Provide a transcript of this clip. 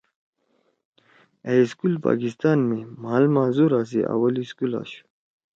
أ سکول پاکستان می مھال معذُورا سی اوّل سکول آشُو